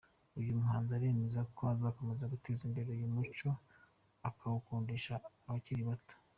Uyu muhanzi aremeza ko azakomeza guteza imbere uyu muco awukundisha nabakiri bato.